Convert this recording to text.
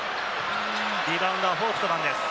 リバウンドはフォウクトマンです。